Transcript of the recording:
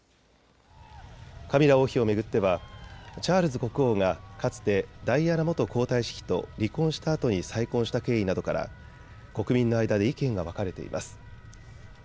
カミラ王妃を巡ってはチャールズ国王がかつてダイアナ元皇太子妃と離婚したあとに再婚した経緯などから国民の間で意見が分かれています。